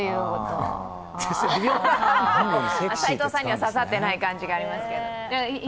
齋藤さんには刺さってない感じがしますけど。